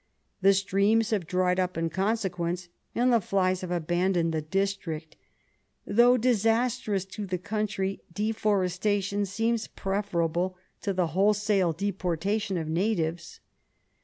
The streams have dried up in consequence, and the flies have abandoned the district. Though disastrous to the country, deforestation seems preferable to the wholesale deportation of natives.